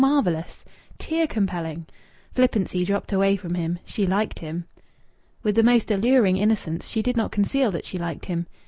Marvellous! Tear compelling!... Flippancy dropped away from him.... She liked him. With the most alluring innocence, she did not conceal that she liked him.